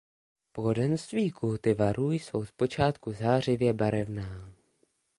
Plodenství kultivarů jsou zpočátku zářivě barevná.